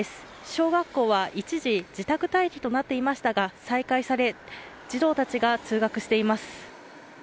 小学校は一時自宅待機となっていましたが再開され児童たちが通学しています。